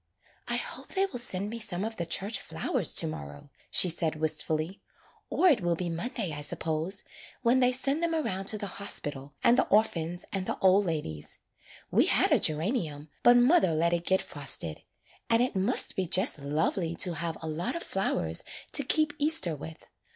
''I hope they will send me some of the church flowers to morrow,'' she said wistfully. '*Or it will be Monday, I suppose, when they send them around to the hospital, and the orphans, and the old ladies. We had a gera nium, but mother let it get frosted. And it must be just lovely to have a lot of flowers to keep Easter with.